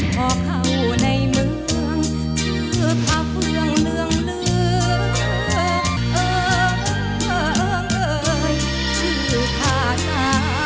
๓จุดเลยนะฮะ